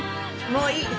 もういい？